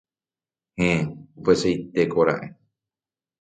Héẽ, upéichatikora'e